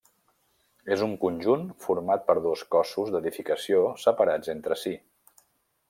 És un conjunt format per dos cossos d'edificació separats entre si.